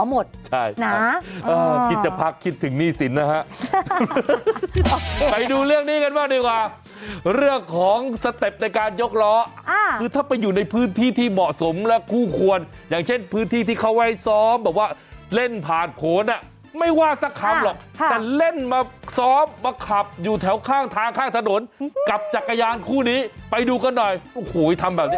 มันใช้ที่เล่นไหมเนี้ยมันใช้ที่เล่นไหมเนี้ยมันใช้ที่เล่น